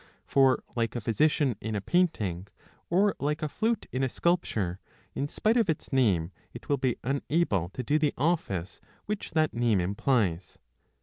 For like a physician in a painting, or like a flute in a sculpture, in spite of its name, it will be unable to do the office which that name implies.